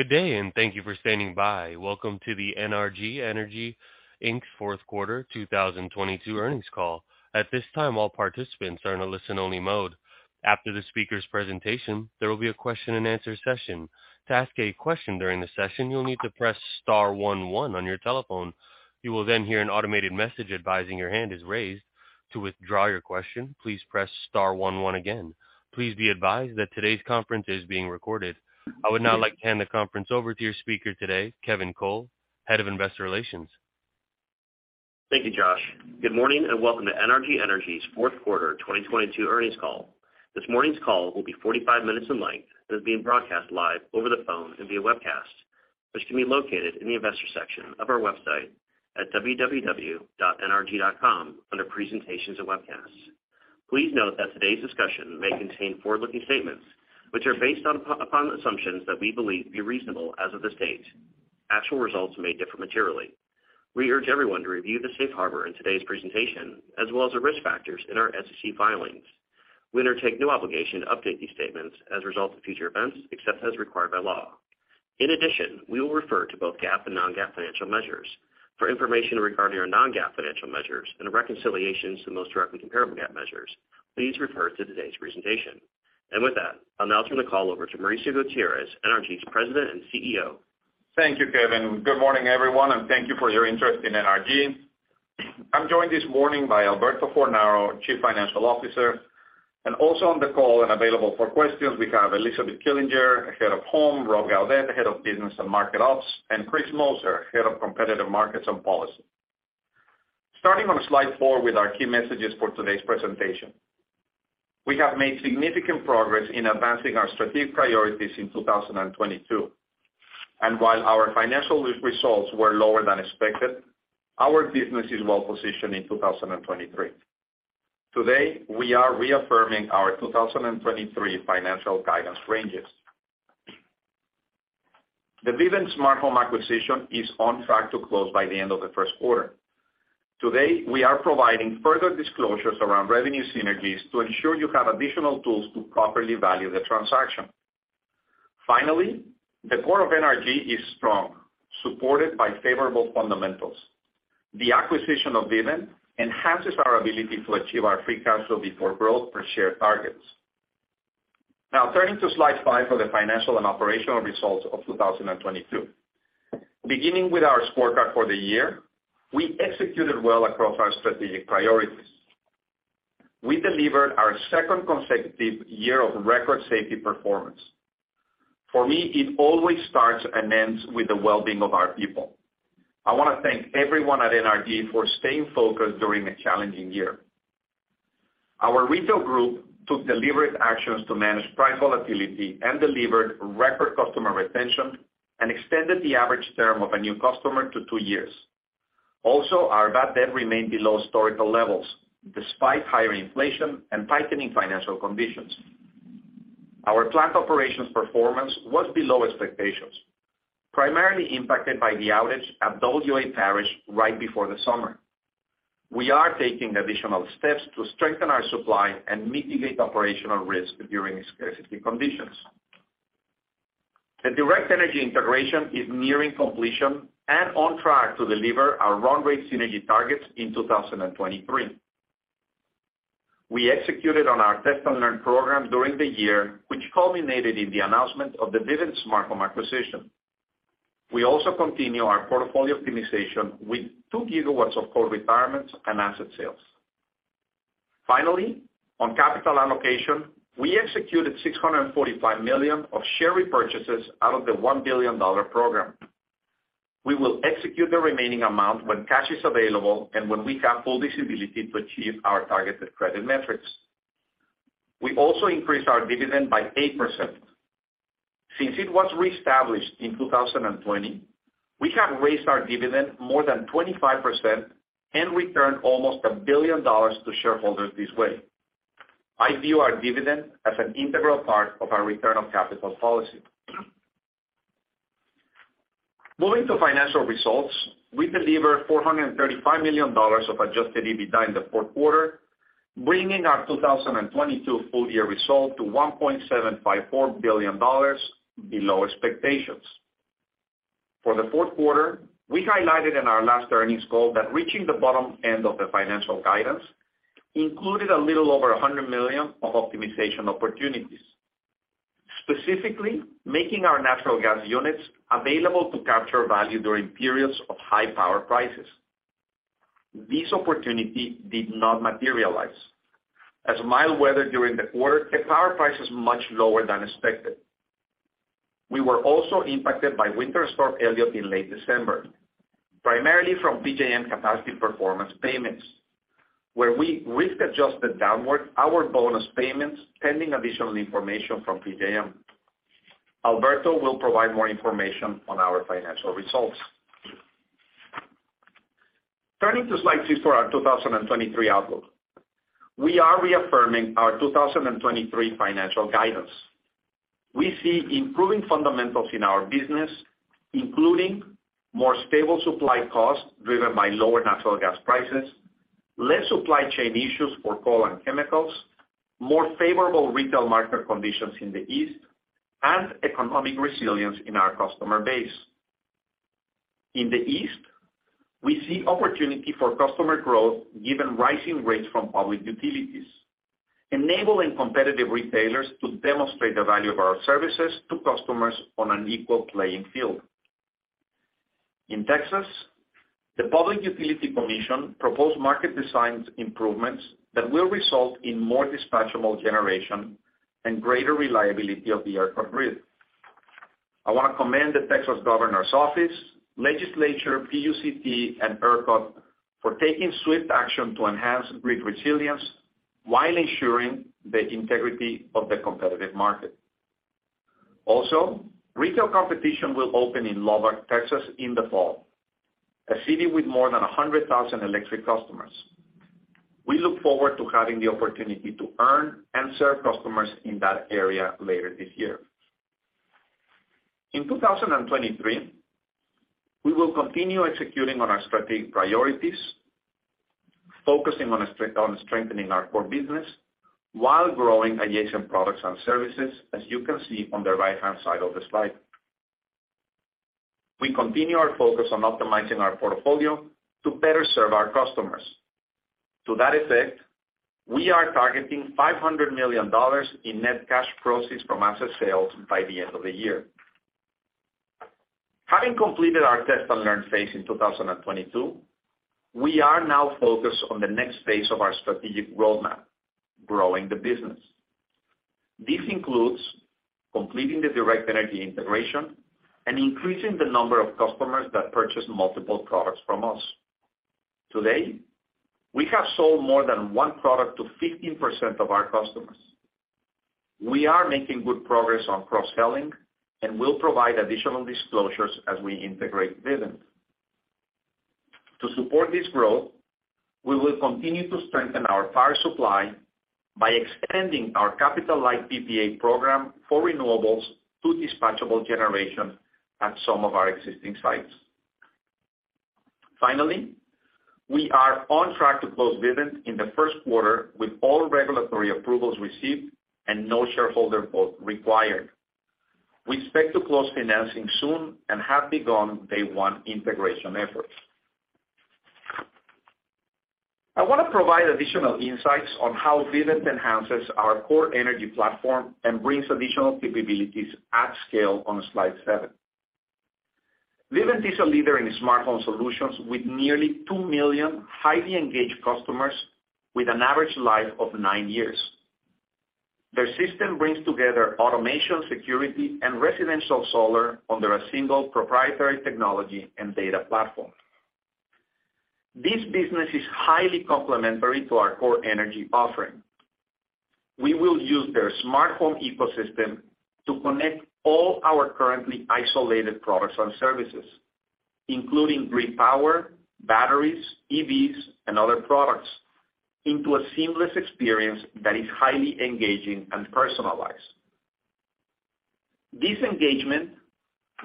Good day, and thank you for standing by. Welcome to NRG Energy, Inc.'s fourth quarter 2022 earnings call. At this time, all participants are in a listen-only mode. After the speakers' presentation, there will be a question-and-answer session. To ask a question during the session, you'll need to press star 11 on your telephone. You will then hear an automated message advising your hand is raised. To withdraw your question, please press star 11 again. Please be advised that today's conference is being recorded. I would now like to hand the conference over to your speaker today, Kevin Cole, Head of Investor Relations. Thank you, Josh. Good morning and welcome to NRG Energy's fourth quarter 2022 earnings call. This morning's call will be 45 minutes in length and is being broadcast live over the phone and via webcast, which can be found in the investor section of our website at www.nrg.com under presentations and webcasts. Please note that today's discussion may contain forward-looking statements, which are based upon assumptions that we believe to be reasonable as of this date. Actual results may differ materially. We urge everyone to review the safe harbor in today's presentation, as well as the risk factors in our SEC filings. We undertake no obligation to update these statements as a result of future events, except as required by law. In addition, we will refer to both GAAP and non-GAAP financial measures. For information regarding our non-GAAP financial measures and a reconciliation to the most directly comparable GAAP measures, please refer to today's presentation. With that, I'll now turn the call over to Mauricio Gutierrez, NRG's President and CEO. Thank you, Kevin. Good morning, everyone, and thank you for your interest in NRG. I'm joined this morning by Alberto Fornaro, Chief Financial Officer, and also on the call and available for questions, we have Elizabeth Killinger, Head of Home; Rob Gaudet, Head of Business and Market Ops; and Chris Moser, Head of Competitive Markets and Policy. Starting on slide 4 with our key messages for today's presentation. We have made significant progress in advancing our strategic priorities in 2022. While our financial results were lower than expected, our business is well-positioned in 2023. Today, we are reaffirming our 2023 financial guidance ranges. The Vivint Smart Home acquisition is on track to close by the end of the first quarter. Today, we are providing further disclosures around revenue synergies to ensure you have additional tools to properly value the transaction. Finally, the core of NRG is strong, supported by favorable fundamentals. The acquisition of Vivint enhances our ability to achieve our free cash flow before growth per share targets. Now, turning to slide 5 for the financial and operational results of 2022. Beginning with our scorecard for the year, we executed well across our strategic priorities. We delivered our second consecutive year of record safety performance. For me, it always starts and ends with the well-being of our people. I want to thank everyone at NRG for staying focused during a challenging year. Our retail group took deliberate actions to manage price volatility and delivered record customer retention and extended the average term of a new customer to two years. Also, our bad debt remained below historical levels despite higher inflation and tightening financial conditions. Our plant operations performance was below expectations, primarily impacted by the outage at W.A. Parish right before the summer. We are taking additional steps to strengthen our supply and mitigate operational risk during scarcity conditions. The Direct Energy integration is nearing completion and on track to deliver our run rate synergy targets in 2023. We executed on our test and learn program during the year, which culminated in the announcement of the Vivint Smart Home acquisition. We also continue our portfolio optimization with 2 gigawatts of core retirements and asset sales. On capital allocation, we executed $645 million of share repurchases out of the $1 billion program. We will execute the remaining amount when cash is available and when we have full visibility to achieve our targeted credit metrics. We also increased our dividend by 8%. Since it was reestablished in 2020, we have raised our dividend more than 25% and returned almost $1 billion to shareholders this way. I view our dividend as an integral part of our return on capital policy. Moving to financial results, we delivered $435 million of adjusted EBITDA in the fourth quarter, bringing our 2022 full-year result to $1.754 billion, below expectations. For the fourth quarter, we highlighted in our last earnings call that reaching the bottom end of the financial guidance included a little over $100 million of optimization opportunities, specifically making our natural gas units available to capture value during periods of high power prices. This opportunity did not materialize, as mild weather during the quarter kept power prices much lower than expected. We were also impacted by Winter Storm Elliott in late December, primarily from PJM Capacity Performance payments, where we risk-adjusted downward our bonus payments pending additional information from PJM. Alberto will provide more information on our financial results. Turning to slide 6 for our 2023 outlook, we are reaffirming our 2023 financial guidance. We see improving fundamentals in our business, including more stable supply costs driven by lower natural gas prices, fewer supply chain issues for coal and chemicals, more favorable retail market conditions in the East, and economic resilience in our customer base. In the East, we see opportunity for customer growth given rising rates from public utilities, enabling competitive retailers to demonstrate the value of our services to customers on an equal playing field. In Texas, the Public Utility Commission proposed market design improvements that will result in more dispatchable generation and greater reliability of the ERCOT grid. I want to commend the Texas Governor's Office, legislature, PUCT, and ERCOT for taking swift action to enhance grid resilience while ensuring the integrity of the competitive market. Also, retail competition will open in Lubbock, Texas, in the fall, a city with more than 100,000 electric customers. We look forward to having the opportunity to earn and serve customers in that area later this year. In 2023, we will continue executing our strategic priorities, focusing on strengthening our core business while growing adjacent products and services, as you can see on the right-hand side of the slide. We continue our focus on optimizing our portfolio to better serve our customers. To that effect, we are targeting $500 million in net cash proceeds from asset sales by the end of the year. Having completed our test-and-learn phase in 2022, we are now focused on the next phase of our strategic roadmap: growing the business. This includes completing the Direct Energy integration and increasing the number of customers who purchase multiple products from us. Today, we have sold more than one product to 15% of our customers. We are making good progress on cross-selling, and we will provide additional disclosures as we integrate Vivint. To support this growth, we will continue to strengthen our power supply by expanding our capital-light PPA program for renewables to dispatchable generation at some of our existing sites. Finally, we are on track to close Vivint in the first quarter, with all regulatory approvals received and no shareholder vote required. We expect to close financing soon and have begun day one integration efforts. I want to provide additional insights on how Vivint enhances our core energy platform and brings additional capabilities at scale on slide 7. Vivint is a leader in smart home solutions with nearly 2 million highly engaged customers with an average life of 9 years. Their system brings together automation, security, and residential solar under a single proprietary technology and data platform. This business is highly complementary to our core energy offering. We will use their smart home ecosystem to connect all our currently isolated products and services, including green power, batteries, EVs, and other products, into a seamless experience that is highly engaging and personalized. This engagement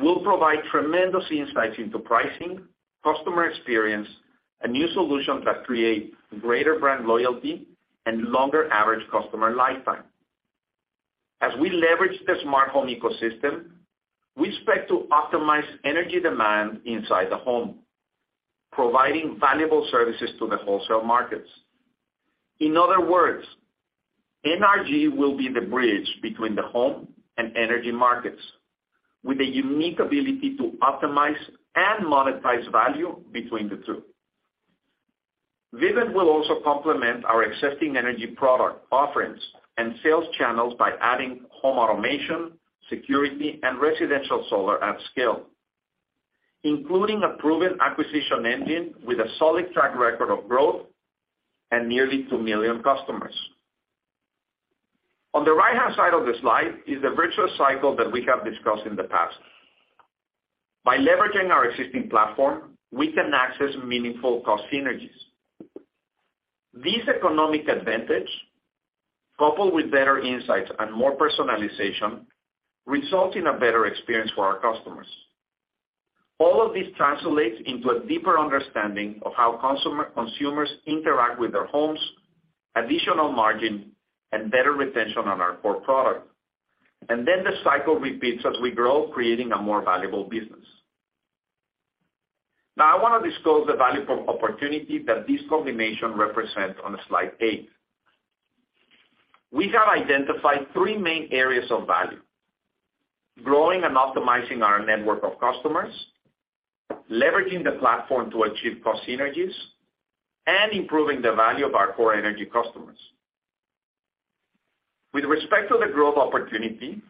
will provide tremendous insights into pricing, customer experience, and new solutions that create greater brand loyalty and longer average customer lifetime. As we leverage the smart home ecosystem, we expect to optimize energy demand inside the home, providing valuable services to the wholesale markets. In other words, NRG will be the bridge between the home and energy markets, with a unique ability to optimize and monetize value between the two. Vivint will also complement our existing energy product offerings and sales channels by adding home automation, security, and residential solar at scale, including a proven acquisition engine with a solid track record of growth and nearly 2 million customers. On the right-hand side of the slide is the virtuous cycle that we have discussed in the past. By leveraging our existing platform, we can access meaningful cost synergies. This economic advantage, coupled with better insights and more personalization, results in a better experience for our customers. All of this translates into a deeper understanding of how consumers interact with their homes, additional margin, and better retention on our core product. The cycle repeats as we grow, creating a more valuable business. I want to disclose the value proposition opportunity that this combination represents on slide eight. We have identified three main areas of value: growing and optimizing our network of customers, leveraging the platform to achieve cost synergies, and improving the value of our core energy customers. With respect to the growth opportunity,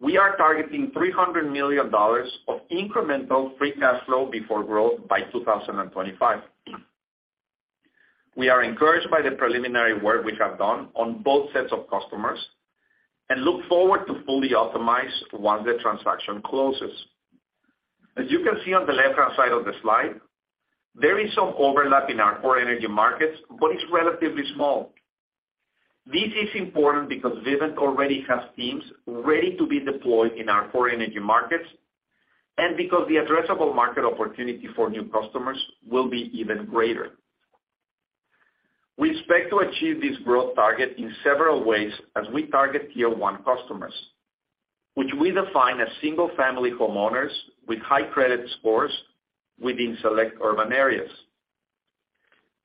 we are targeting $300 million of incremental free cash flow before growth by 2025. We are encouraged by the preliminary work we have done on both sets of customers and look forward to fully optimizing once the transaction closes. As you can see on the left-hand side of the slide, there is some overlap in our core energy markets, but it's relatively small. This is important because Vivint already has teams ready to be deployed in our core energy markets, and because the addressable market opportunity for new customers will be even greater. We expect to achieve this growth target in several ways as we target Tier 1 customers, which we define as single-family homeowners with high credit scores within select urban areas.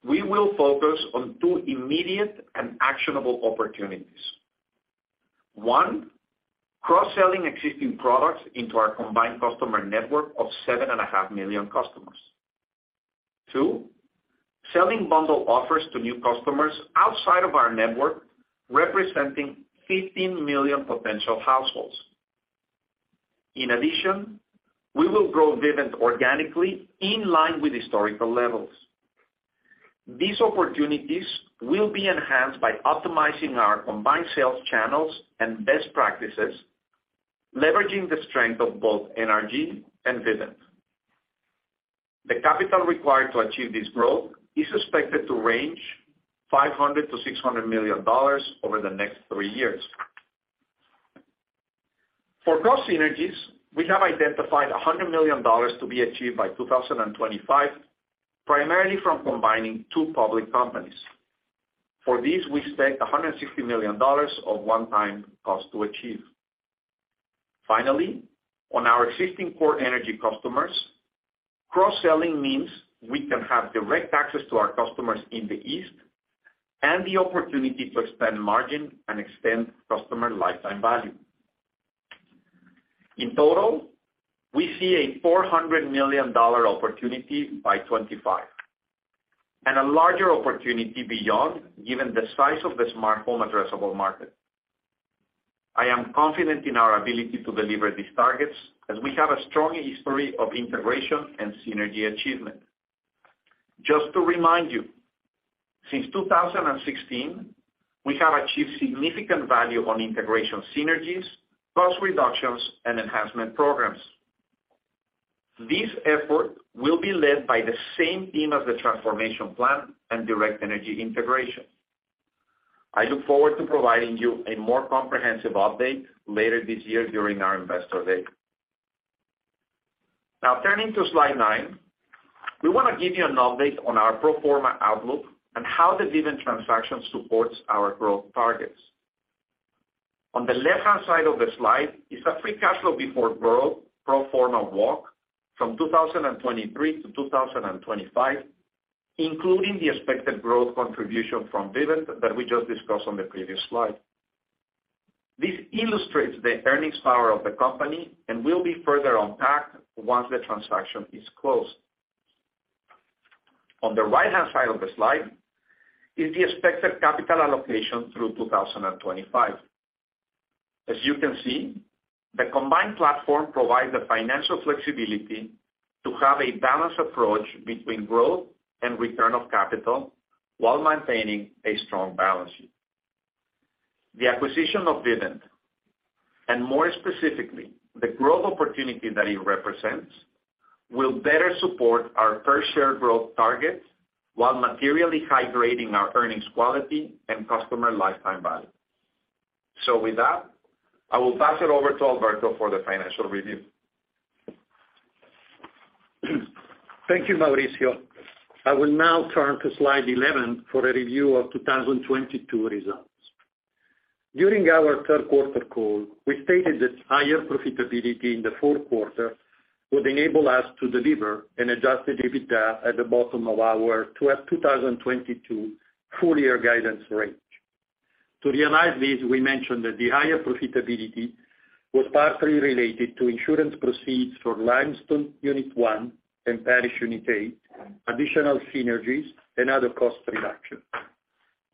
We will focus on two immediate and actionable opportunities: one, cross-selling existing products into our combined customer network of 7.5 million customers; two, selling bundled offers to new customers outside of our network, representing 15 million potential households. In addition, we will grow Vivint organically in line with historical levels. These opportunities will be enhanced by optimizing our combined sales channels and best practices, leveraging the strength of both NRG and Vivint. The capital required to achieve this growth is expected to range from $500 million to $600 million over the next three years. For cost synergies, we have identified $100 million to be achieved by 2025, primarily from combining two public companies. For this, we expect $160 million in one-time costs to achieve this. Finally, regarding our existing core energy customers, cross-selling means we can have direct access to our customers in the East and the opportunity to expand margins and extend customer lifetime value. In total, we see a $400 million opportunity by 2025, and a larger opportunity beyond, given the size of the smartphone addressable market. I am confident in our ability to deliver these targets as we have a strong history of integration and synergy achievement. Just to remind you, since 2016, we have achieved significant value on integration synergies, cost reductions, and enhancement programs. This effort will be led by the same team as the transformation plan and Direct Energy integration. I look forward to providing you a more comprehensive update later this year during our investor day. Turning to slide 9, we want to give you an update on our pro forma outlook and how the Vivint transaction supports our growth targets. On the left-hand side of the slide is the free cash flow before growth pro forma walk from 2023 to 2025, including the expected growth contribution from Vivint that we just discussed on the previous slide. This illustrates the earnings power of the company and will be further unpacked once the transaction is closed. On the right-hand side of the slide is the expected capital allocation through 2025. As you can see, the combined platform provides the financial flexibility to have a balanced approach between growth and return of capital while maintaining a strong balance sheet. The acquisition of Vivint, and more specifically, the growth opportunity that it represents, will better support our per-share growth targets while materially high-grading our earnings quality and customer lifetime value. With that, I will pass it over to Alberto for the financial review. Thank you, Mauricio. I will now turn to slide 11 for a review of 2022 results. During our third-quarter call, we stated that higher profitability in the fourth quarter would enable us to deliver an adjusted EBITDA at the bottom of our 2022 full-year guidance range. To realize this, we mentioned that the higher profitability was partly related to insurance proceeds for Limestone Unit 1 and Parish Unit 8, additional synergies, and other cost reductions,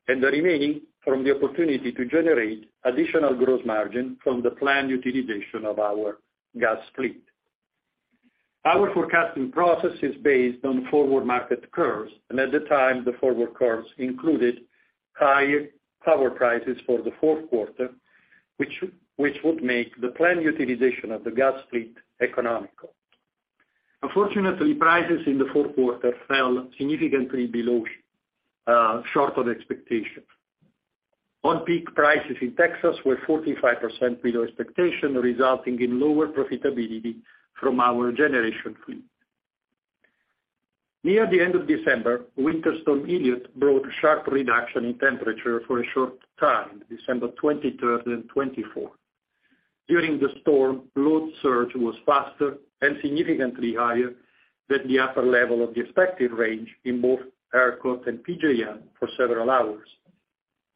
and the remaining from the opportunity to generate additional gross margin from the planned utilization of our gas fleet. Our forecasting process is based on forward market curves, and at the time, the forward curves included higher power prices for the fourth quarter, which would make the planned utilization of the gas fleet economical. Unfortunately, prices in the fourth quarter fell significantly short of expectations. On-peak prices in Texas were 45% below expectations, resulting in lower profitability from our generation fleet. Near the end of December, Winter Storm Elliott brought a sharp reduction in temperature for a short time, December 23rd and 24th. During the storm, the load surge was faster and significantly higher than the upper level of the expected range in both ERCOT and PJM for several hours.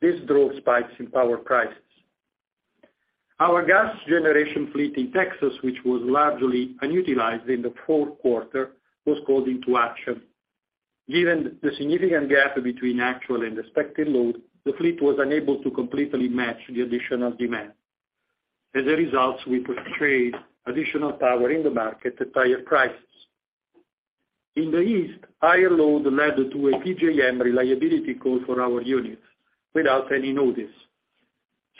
This drove spikes in power prices. Our gas generation fleet in Texas, which was largely underutilized in the fourth quarter, was called into action. Given the significant gap between actual and expected load, the fleet was unable to completely match the additional demand. As a result, we purchased additional power in the market at higher prices. In the East, a higher load led to a PJM reliability call for our units without any notice.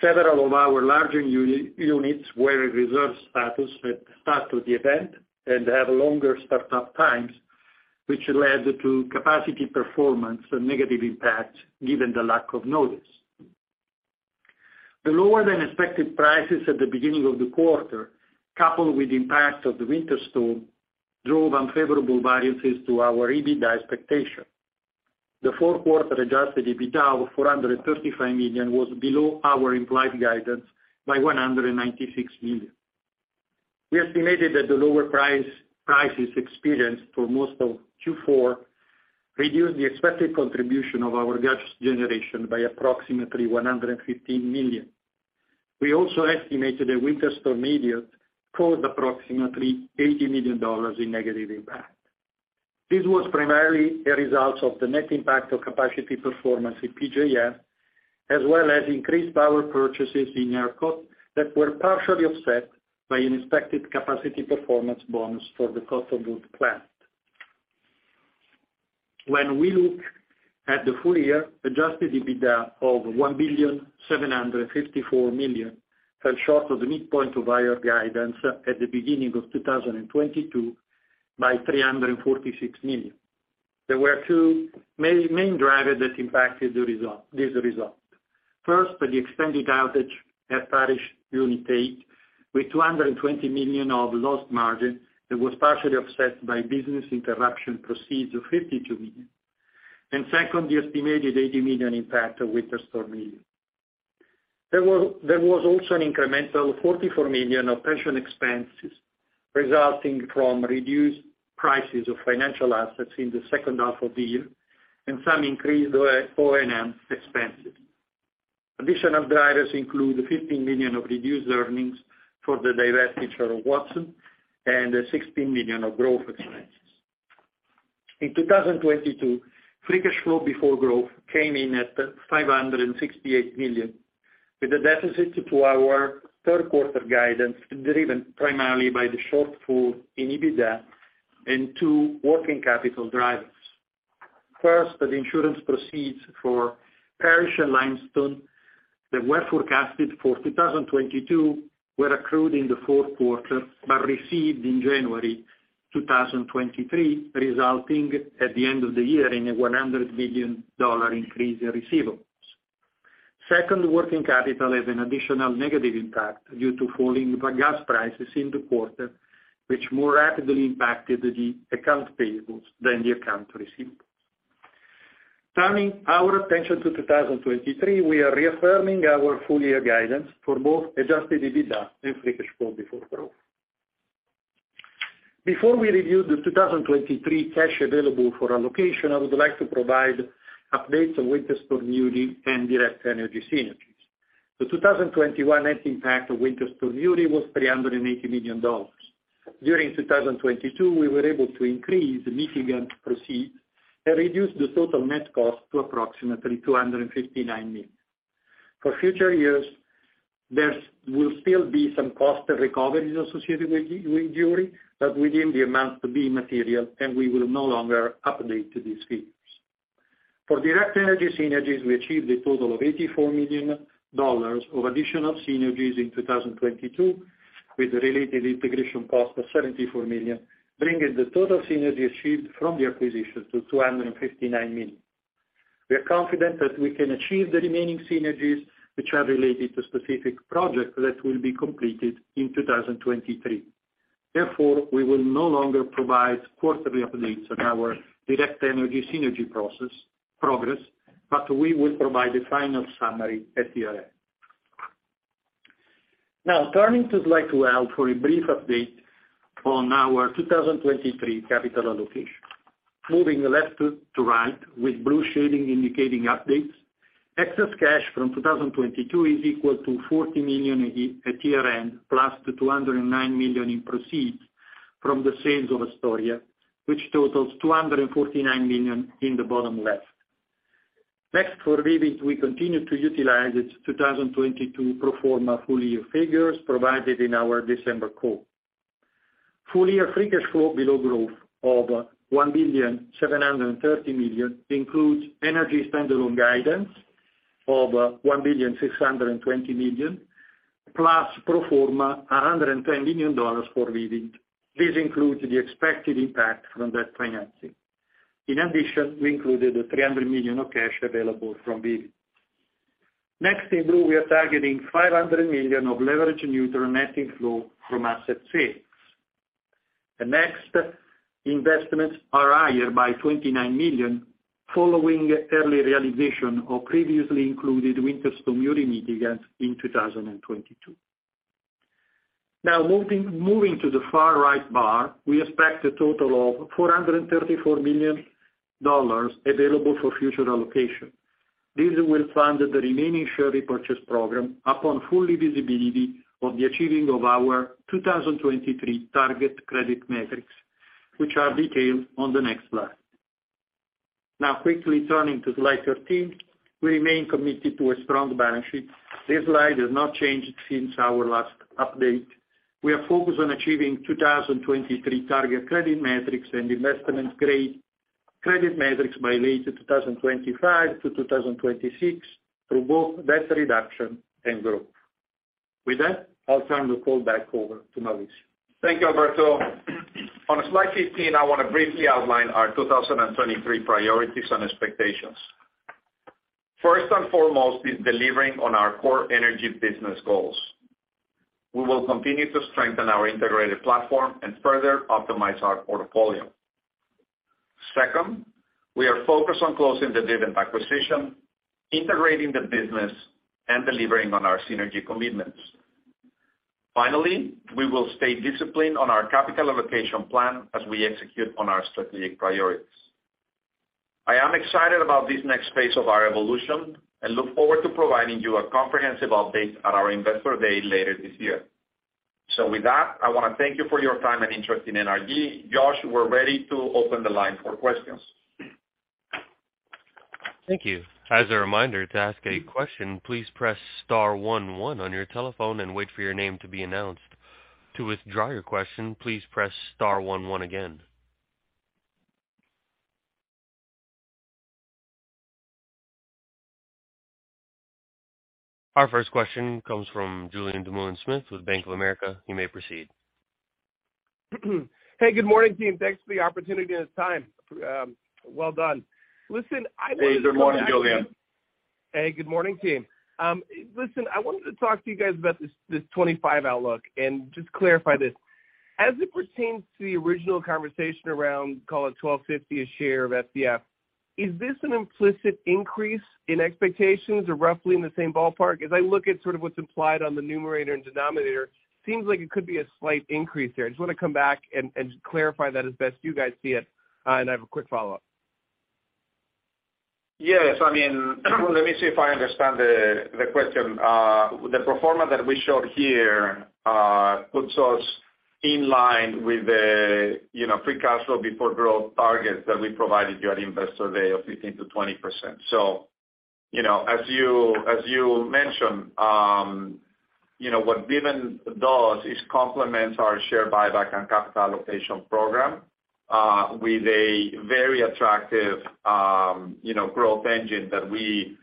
Several of our larger units were in reserve status at the start of the event and have longer startup times, which led to Capacity Performance, a negative impact given the lack of notice. The lower-than-expected prices at the beginning of the quarter, coupled with the impact of the winter storm, drove unfavorable variances to our EBITDA expectation. The fourth-quarter adjusted EBITDA of $435 million was below our implied guidance by $196 million. We estimated that the lower prices experienced for most of Q4 reduced the expected contribution of our gas generation by approximately $115 million. We also estimated that Winter Storm Uri caused approximately $80 million in negative impact. This was primarily a result of the net impact of Capacity Performance in PJM, as well as increased power purchases in ERCOT that were partially offset by an expected Capacity Performance bonus for the Cottonwood plant. When we look at the full year, adjusted EBITDA of $1.754 billion fell short of the midpoint of our guidance at the beginning of 2022 by $346 million. There were two main drivers that impacted this result. First, the extended outage at Parish Unit 8, with $220 million of lost margin that was partially offset by business interruption proceeds of $52 million. Second, the estimated $80 million impact of Winter Storm Uri. There were also incremental pension expenses of $44 million resulting from reduced prices of financial assets in the second half of the year and some increased O&M expenses. Additional drivers include $15 million of reduced earnings for the divestiture of Watson and $16 million of growth expenses. In 2022, free cash flow before growth came in at $568 million, with a deficit to our third-quarter guidance driven primarily by the shortfall in EBITDA and two working capital drivers. First, the insurance proceeds for Parish and Limestone that were forecasted for 2022 were accrued in the fourth quarter but received in January 2023, resulting at the end of the year in a $100 million increase in receivables. Second, working capital has an additional negative impact due to falling gas prices in the quarter, which more rapidly impacted accounts payable than accounts receivable. Turning our attention to 2023, we are reaffirming our full-year guidance for both adjusted EBITDA and free cash flow before growth. Before we review the 2023 cash available for allocation, I would like to provide updates on Winter Storm Uri and Direct Energy synergies. The 2021 net impact of Winter Storm Uri was $380 million. During 2022, we were able to increase the mitigant proceeds and reduce the total net cost to approximately $259 million. For future years, there will still be some cost recoveries associated with Uri, but the amount will not be material, and we will no longer update these figures. For Direct Energy synergies, we achieved a total of $84 million in additional synergies in 2022, with related integration costs of $74 million, bringing the total synergies achieved from the acquisition to $259 million. We are confident that we can achieve the remaining synergies, which are related to specific projects that will be completed in 2023. We will no longer provide quarterly updates on our Direct Energy synergy progress, but we will provide a final summary at year-end. Turning to slide 12 for a brief update on our 2023 capital allocation. Moving left to right, with blue shading indicating updates, excess cash from 2022 is equal to $40 million at year-end, plus the $209 million in proceeds from the sales of Astoria, which totals $249 million in the bottom left. For Vivint, we continue to utilize its 2022 pro forma full-year figures provided in our December call. Full-year free cash flow below growth of $1.73 billion includes NRG standalone guidance of $1.62 billion plus pro forma, $110 million for Vivint. This includes the expected impact from debt financing. In addition, we included the $300 million of cash available from Vivint. In blue, we are targeting $500 million of leverage-neutral net inflow from asset sales. The next investments are higher by $29 million following early realization of a previously included Winter Storm Uri mitigant in 2022. Moving to the far right bar, we expect a total of $434 million available for future allocation. This will fund the remaining share repurchase program upon full visibility of the achievement of our 2023 target credit metrics, which are detailed on the next slide. Quickly turning to slide 13, we remain committed to a strong balance sheet. This slide has not changed since our last update. We are focused on achieving 2023 target credit metrics and investment grade. Credit metrics by late 2025-2026 through both debt reduction and growth. With that, I'll turn the call back over to Mauricio. Thank you, Alberto. On slide 15, I want to briefly outline our 2023 priorities and expectations. First and foremost is delivering on our core energy business goals. We will continue to strengthen our integrated platform and further optimize our portfolio. Second, we are focused on closing the dividend acquisition, integrating the business, and delivering on our synergy commitments. Finally, we will stay disciplined in our capital allocation plan as we execute on our strategic priorities. I am excited about this next phase of our evolution and look forward to providing you a comprehensive update at our investor day later this year. With that, I want to thank you for your time and interest in NRG. Josh, we're ready to open the line for questions. Thank you. As a reminder, to ask a question, please press star one one on your telephone and wait for your name to be announced. To withdraw your question, please press star one one again. Our first question comes from Julien Dumoulin-Smith with Bank of America. You may proceed. Hey, good morning, team. Thanks for the opportunity and the time. Well done. Listen. Hey, good morning, Julien. Hey, good morning, team. Listen, I wanted to talk to you guys about this '25 outlook and just clarify this. As it pertains to the original conversation around, call it $12.50 a share of FCF, is this an implicit increase in expectations or roughly in the same ballpark? As I look at sort of what's implied on the numerator and denominator, it seems like it could be a slight increase there. I just want to come back and clarify that as best you guys see it. I have a quick follow-up. Yes. I mean, let me see if I understand the question. The pro forma that we showed here puts us in line with the free cash flow before growth targets that we provided you at Investor Day of 15%-20%. As you mentioned, what Vivint does complements our share buyback and capital allocation program with a very attractive growth engine that we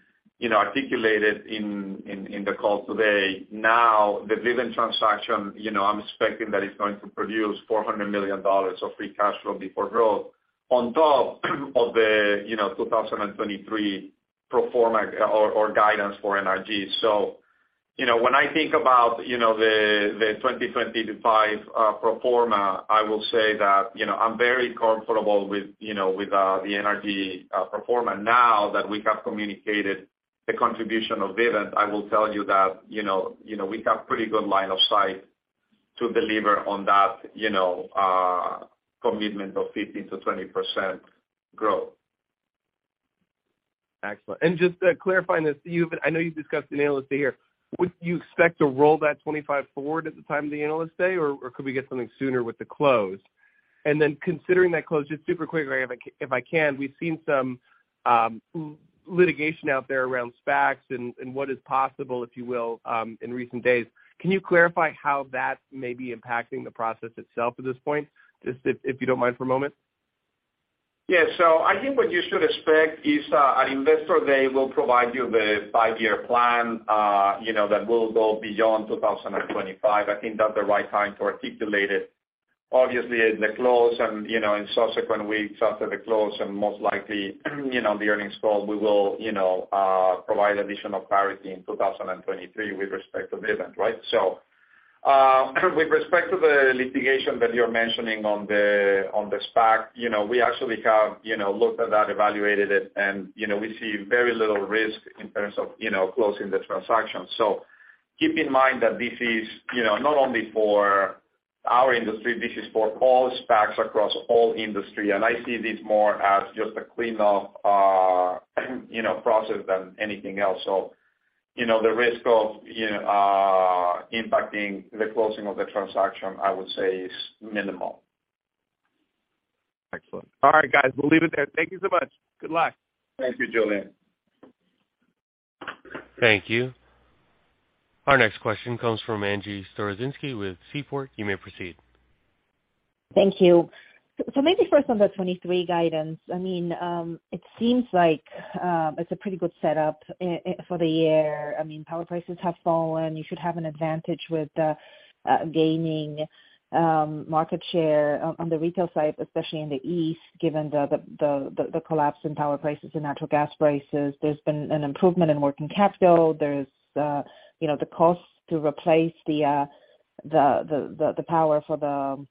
articulated in the call today. The Vivint transaction, I'm expecting, is going to produce $400 million of free cash flow before growth on top of the 2023 pro forma or guidance for NRG.When I think about the 2025 pro forma, I will say that I'm very comfortable with the NRG pro forma. Now that we have communicated the contribution of Vivint, I will tell you that we have a pretty good line of sight to deliver on that commitment of 15%-20% growth. Excellent. Just clarifying this, I know you've discussed it at Analyst Day. Would you expect to roll that 25 forward at the time of Analyst Day, or could we get something sooner with the close? Considering that close, just super quick if I can, we've seen some litigation out there around SPACs and what is possible, if you will, in recent days. Can you clarify how that may be impacting the process itself at this point? Just if you don't mind for a moment. Yeah. I think what you should expect is, at Investor Day, we'll provide you with the five-year plan that will go beyond 2025. I think that's the right time to articulate it. Obviously, at the close and in subsequent weeks after the close, and most likely the earnings call, we will provide additional clarity in 2023 with respect to Vivint, right? With respect to the litigation that you're mentioning on the SPAC, we actually have looked at that, evaluated it, and we see very little risk in terms of closing the transaction. Keep in mind that this is, you know, not only for our industry, this is for all SPACs across all industries, and I see this more as just a cleanup, you know, process than anything else. The risk of, you know, impacting the closing of the transaction, I would say, is minimal. Excellent. All right, guys, we'll leave it there. Thank you so much. Good luck. Thank you, Julien. Thank you. Our next question comes from Agnieszka Storozynski with Seaport. You may proceed. Thank you. Maybe first on the '23 guidance, it seems like it's a pretty good setup for the year. Power prices have fallen. You should have an advantage with gaining market share on the retail side, especially in the East, given the collapse in power prices and natural gas prices. There's been an improvement in working capital. The cost to replace the power for the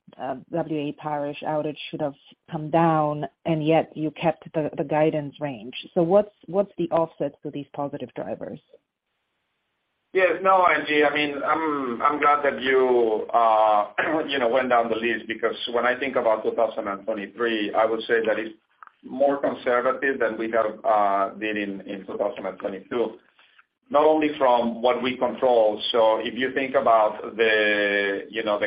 W.A. Parish outage should have come down, and yet you kept the guidance range. What are the offsets to these positive drivers? Yes. No, Angie, I mean, I'm glad that you went down the list because when I think about 2023, I would say that it's more conservative than we have been in 2022, not only from what we control. If you think about the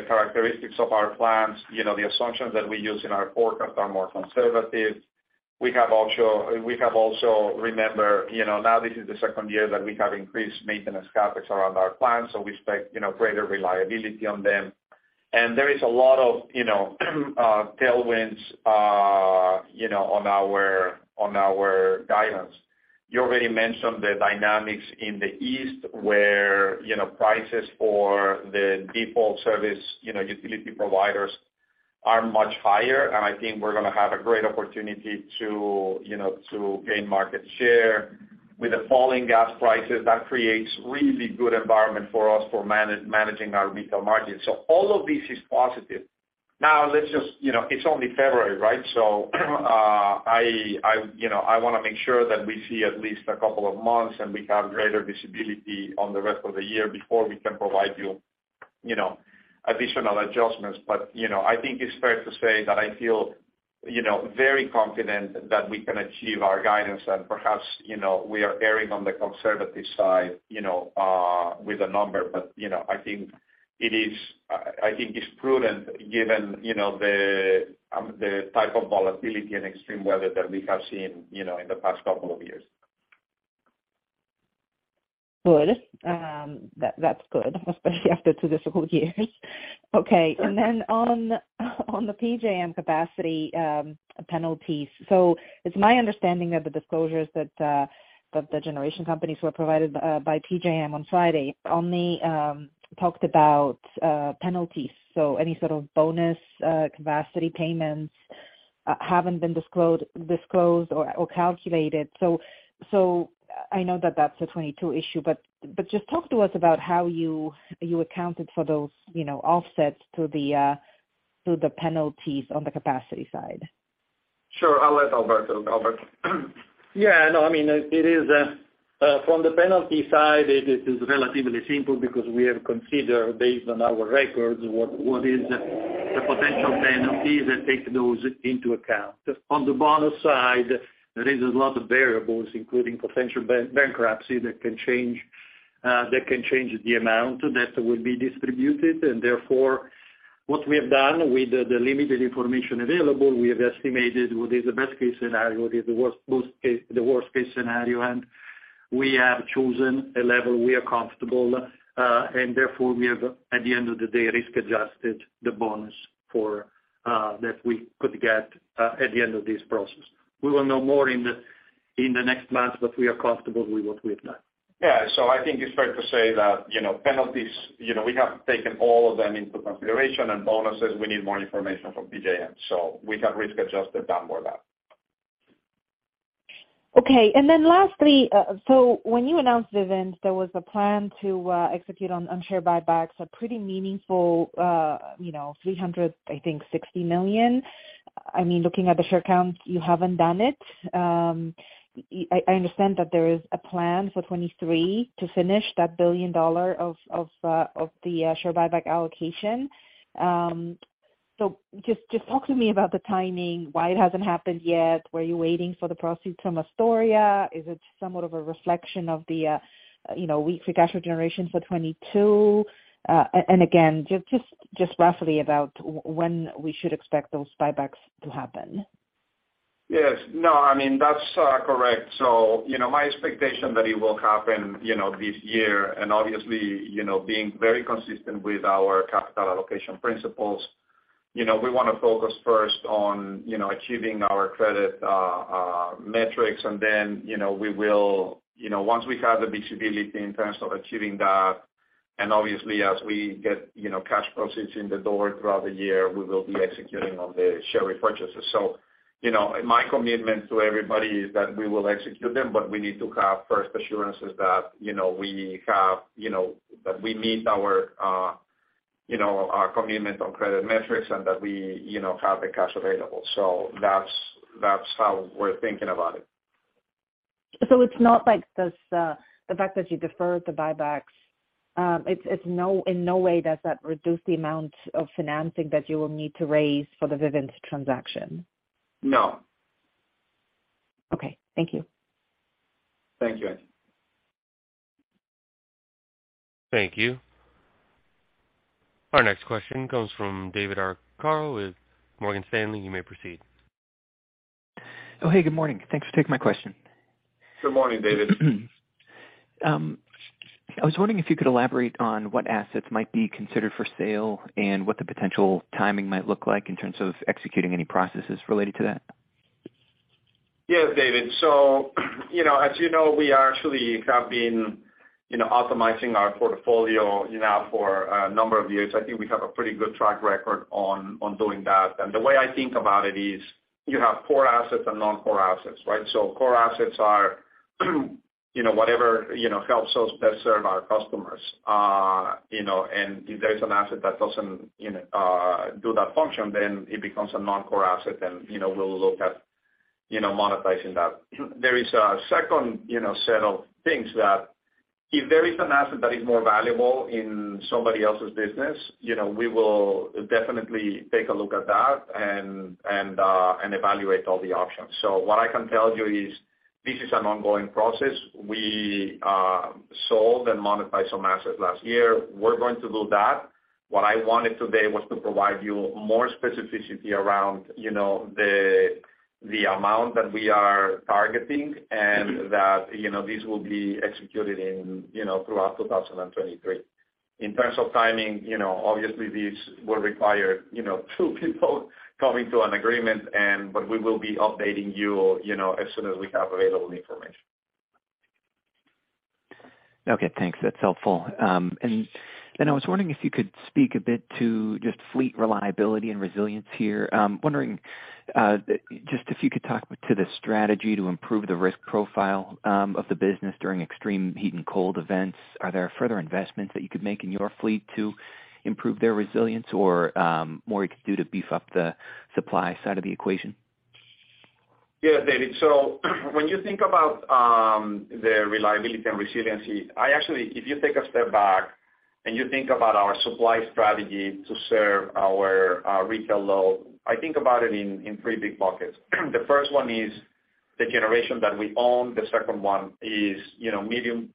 characteristics of our plans, the assumptions that we use in our forecast are more conservative. We have also, remember, this is the second year that we have increased maintenance CapEx around our plans; we expect greater reliability on them. There are a lot of tailwinds on our guidance. You already mentioned the dynamics in the East, where prices for the default service utility providers are much higher. I think we're going to have a great opportunity to gain market share. With the falling gas prices, that creates a really good environment for us for managing our retail margins. All of this is positive. Now, it's only February, right? I want to make sure that we see at least a couple of months, and we have greater visibility on the rest of the year before we can provide additional adjustments. I think it's fair to say that I feel very confident that we can achieve our guidance and perhaps we are erring on the conservative side with the number. You know, I think it's prudent given the type of volatility and extreme weather that we have seen in the past couple of years. Good. That's good, especially after two difficult years. Regarding the PJM capacity penalties, it's my understanding that the disclosures the generation companies received from PJM on Friday only mentioned penalties. Any sort of bonus capacity payments haven't been disclosed or calculated. I know that's a 2022 issue, but please tell us how you accounted for those offsets through the penalties on the capacity side. Sure. I'll let Alberto talk. Alberto. Yeah. No, I mean, from the penalty side, it is relatively simple because we have considered, based on our records, what the potential penalties are and taken those into account. On the bonus side, there are a lot of variables, including potential bankruptcy, that can change the amount that will be distributed. Therefore, with the limited information available, we have estimated what the best-case scenario is and what the worst-case scenario is. We have chosen a level we are comfortable with; therefore, at the end of the day, we have risk-adjusted the bonus that we could get at the end of this process. We will know more in the coming months; we are comfortable with what we have done. Yeah. I think it's fair to say that, you know, penalties, we have taken all of them into consideration, and for bonuses, we need more information from PJM, so we have risk-adjusted that downward. Okay. Lastly, when you announced Vivint, there was a plan to execute on share buybacks, a pretty meaningful, you know, $360 million. I mean, looking at the share count, you haven't done it. I understand that there is a plan for 2023 to finish that $1 billion of the share buyback allocation. Just talk to me about the timing, why it hasn't happened yet. Were you waiting for the proceeds from Astoria? Is it somewhat of a reflection of the, you know, weaker cash flow generation for 2022? Again, just roughly about when we should expect those buybacks to happen. Yes. No, I mean, that's correct. You know, my expectation that it will happen, you know, this year, and obviously, you know, being very consistent with our capital allocation principles, you know, we wanna focus first on, you know, achieving our credit metrics. You know, we will, you know, once we have the visibility in terms of achieving that, and obviously as we get, you know, cash proceeds in the door throughout the year, we will be executing on the share repurchases. You know, my commitment to everybody is that we will execute them, but we need to have first assurances that, you know, we have, you know, that we meet our, you know, our commitment on credit metrics and that we, you know, have the cash available. That's, that's how we're thinking about it. It's not like this: the fact that you deferred the buybacks in no way reduces the amount of financing that you will need to raise for the Vivint transaction, does it? No. Okay. Thank you. Thank you. Thank you. Our next question comes from David Arcaro with Morgan Stanley. You may proceed. Hey, good morning. Thanks for taking my question. Good morning, David. I was wondering if you could elaborate on what assets might be considered for sale and what the potential timing might look like in terms of executing any processes related to that. Yes, David. As you know, we have actually been optimizing our portfolio for a number of years. I think we have a pretty good track record of doing that. The way I think about it is you have core assets and non-core assets, right? Core assets are whatever helps us best serve our customers. If there's an asset that doesn't fulfill that function, then it becomes a non-core asset, and we'll look at monetizing that. There is a second set of things: if there is an asset that is more valuable in somebody else's business, we will definitely take a look at that and evaluate all the options. What I can tell you is this is an ongoing process. We sold and monetized some assets last year. We're going to do that. What I wanted today was to provide you more specificity around the amount that we are targeting, and that this will be executed throughout 2023. In terms of timing, obviously these will require two people coming to an agreement. We will be updating you as soon as we have available information. Okay, thanks. That's helpful. I was wondering if you could speak a bit about fleet reliability and resilience here. I'm curious if you could discuss the strategy to improve the risk profile of the business during extreme heat and cold events. Are there further investments you could make in your fleet to improve its resilience, or more you could do to beef up the supply side of the equation? Yeah, David. When you think about the reliability and resiliency, if you take a step back and you think about our supply strategy to serve our retail load, I think about it in three big buckets. The first one is the generation that we own. The second one is, you know, medium,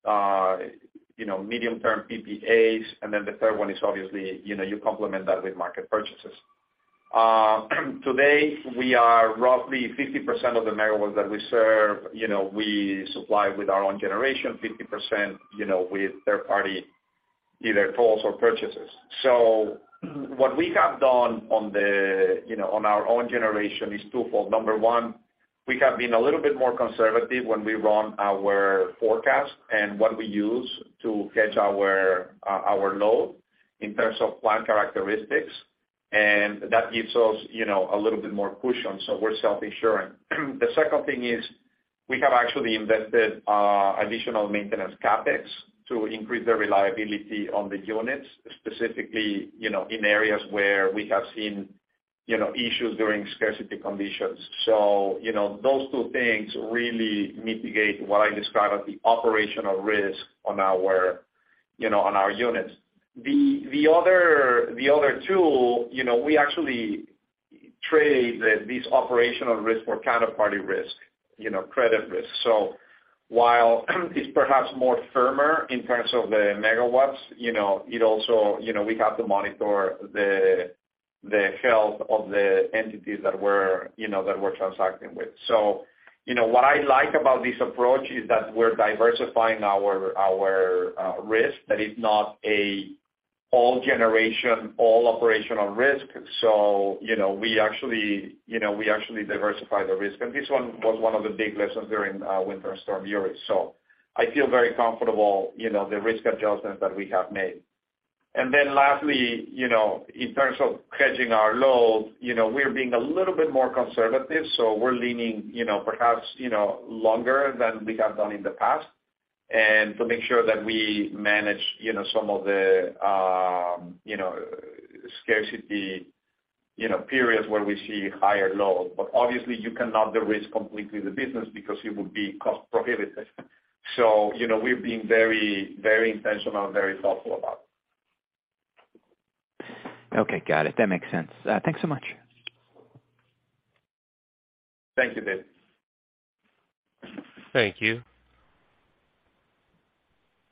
you know, medium-term PPAs. The third one is obviously, you know, you complement that with market purchases. Today, we are roughly 50% of the megawatts that we serve, you know, we supply with our own generation, 50%, you know, with third-party, either tolls or purchases. What we have done on the, you know, on our own generation is twofold. Number one, we have been a little bit more conservative when we run our forecasts and what we use to hedge our load in terms of plant characteristics. That gives us, you know, a little bit more cushion, so we're self-insuring. The second thing is we have actually invested additional maintenance CapEx to increase the reliability of the units, specifically, you know, in areas where we have seen, you know, issues during scarcity conditions. Those two things really mitigate what I describe as the operational risk on our, you know, on our units. The other tool, you know, we actually trade this operational risk for counterparty risk, you know, credit risk. While it's perhaps firmer in terms of megawatts, we also have to monitor the health of the entities with which we're transacting. What I like about this approach is that we're diversifying our risk. It's not all generation, all operational risk. We actually diversify the risk. This was one of the big lessons during Winter Storm Uri. I feel very comfortable with the risk adjustments that we have made. Lastly, in terms of hedging our load, we're being a little more conservative, so we're leaning perhaps longer than we have in the past, to make sure that we manage some of the scarcity periods where we see higher load. Obviously, you cannot de-risk the business completely because it would be cost-prohibitive. We're being very intentional and thoughtful about it. Okay, got it. That makes sense. Thanks so much. Thank you, David. Thank you.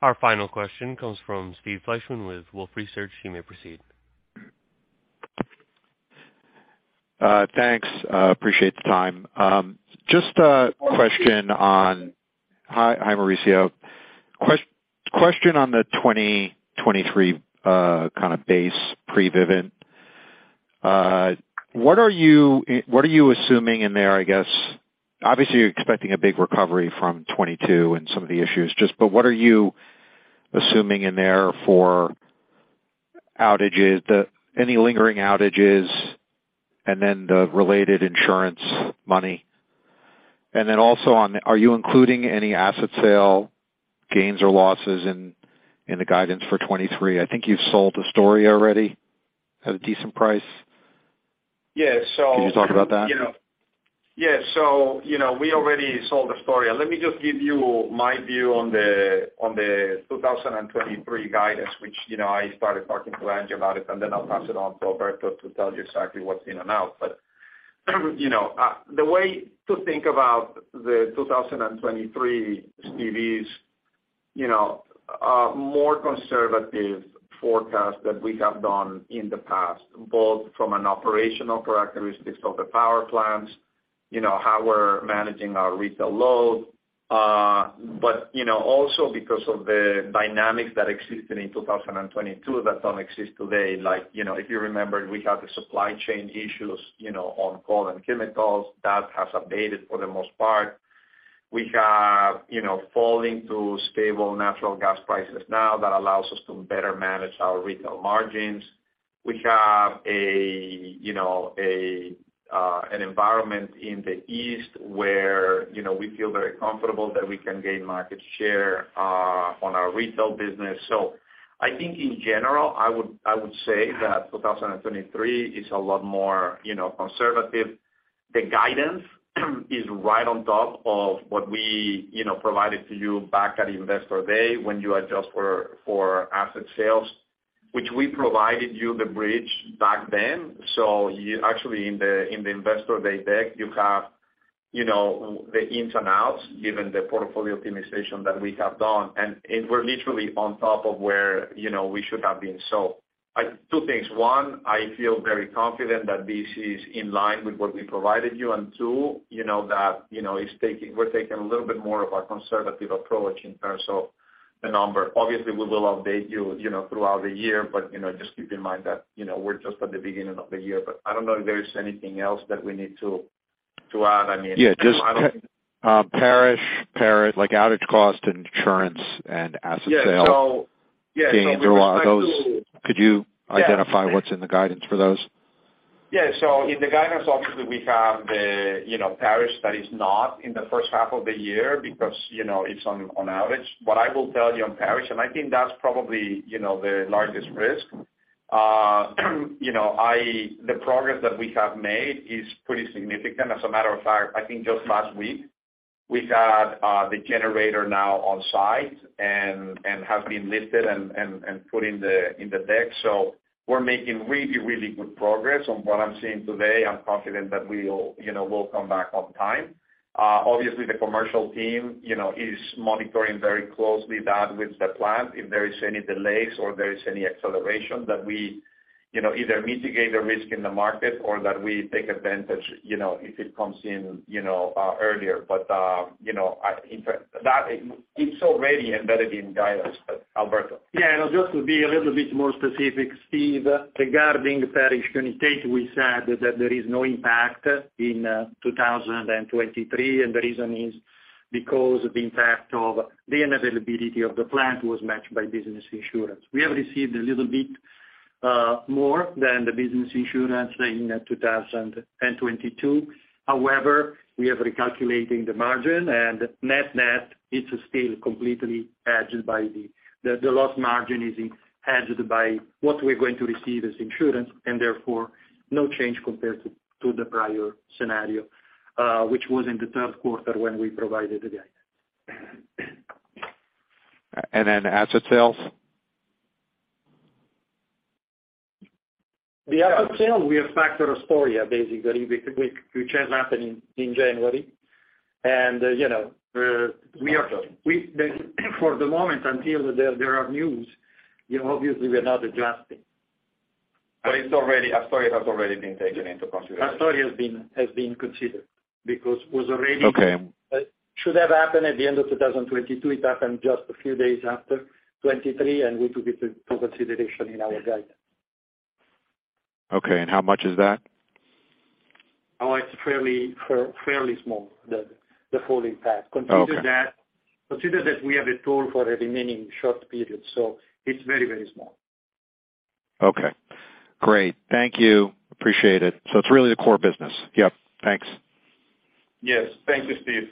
Our final question comes from Steve Fleishman with Wolfe Research. You may proceed. Thanks, I appreciate your time. Just a question. Hi, Mauricio. A question on the 2023, kind of base pre-Vivint. What are you assuming in there, I guess? Obviously, you're expecting a big recovery from 2022 and some of the issues, but what are you assuming in there for outages, any lingering outages, and then the related insurance money? Also, are you including any asset sale gains or losses in the guidance for 2023? I think you've already sold Astoria at a decent price. Yeah. Can you talk about that? You know, yeah. You know, we already sold Astoria. Let me just give you my view on the 2023 guidance, which, you know, I started talking to Agnieszka Storozynski about, and then I'll pass it on to Alberto Fornaro to tell you exactly what's in and out. You know, the way to think about 2023, Steve Fleishman, is, you know, a more conservative forecast than we have done in the past, both from the operational characteristics of the power plants and how we're managing our retail load. You know, also because of the dynamics that existed in 2022 that don't exist today. Like, you know, if you remember, we had the supply chain issues on coal and chemicals. That has abated for the most part. We have, you know, falling to stable natural gas prices now that allows us to better manage our retail margins. We have a, you know, an environment in the East where, you know, we feel very comfortable that we can gain market share on our retail business. I think in general, I would say that 2023 is a lot more, you know, conservative. The guidance is right on top of what we, you know, provided to you back at Investor Day when you adjust for asset sales, which we provided you the bridge back then. Actually in the Investor Day deck, you have, you know, the ins and outs given the portfolio optimization that we have done. We're literally on top of where, you know, we should have been. Two things. First, I feel very confident that this is in line with what we provided you. Second, you know that we're taking a little bit more of a conservative approach in terms of the number. Obviously, we will update you throughout the year. Just keep in mind that we're just at the beginning of the year. I don't know if there is anything else that we need to add. Yeah. Just, Parish, like outage cost and insurance and asset sales. Yeah. Those, could you identify what's in the guidance for those? Yeah. In the guidance, obviously, we have the, you know, Parish that is not in the first half of the year because, you know, it's on outage. What I will tell you on Parish, and I think that's probably, you know, the largest risk, the progress that we have made is pretty significant. As a matter of fact, I think just last week, we had the generator now on site and it has been lifted and put in the deck. We're making really, really good progress. On what I'm seeing today, I'm confident that we'll come back on time. Obviously, the commercial team is monitoring this very closely with the plant. If there are any delays or accelerations, we either mitigate the risk in the market or take advantage if it comes in earlier. In fact, that is already embedded in the guidance, Alberto. Yeah. Just to be a little bit more specific, Steve, regarding the Parish Unit, we said that there is no impact in 2023, and the reason is because the impact of the unavailability of the plant was matched by business insurance. We received a little bit more than the business insurance in 2022. However, we are recalculating the margin, and net-net, it is still completely hedged. The lost margin is hedged by what we're going to receive as insurance, and therefore, no change compared to the prior scenario, which was in the third quarter when we provided the guidance. Then asset sales? The asset sales, we have factored Astoria basically, which happened in January. you know, we are. Astoria. For the moment until there are news, you know, obviously we're not adjusting. Astoria has already been taken into consideration. Astoria has been considered because it was already- Okay. It should have happened at the end of 2022. It happened just a few days into 2023, and we took it into consideration in our guidance. Okay. How much is that? Oh, it's fairly small, the full impact. Okay. Consider that we have a tool for the remaining short period. It's very, very small. Okay. Great. Thank you. Appreciate it. It's really the core business. Yep. Thanks. Yes. Thank you, Steve.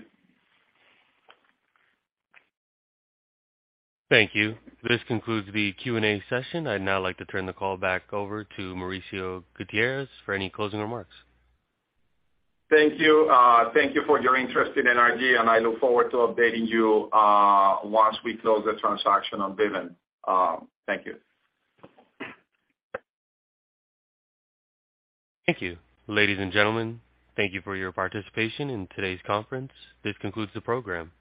Thank you. This concludes the Q&A session. I'd now like to turn the call back over to Mauricio Gutierrez for any closing remarks. Thank you. Thank you for your interest in NRG, and I look forward to updating you once we close the transaction on Vivint. Thank you. Thank you. Ladies and gentlemen, thank you for your participation in today's conference. This concludes the program.